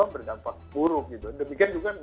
berdampak buruk gitu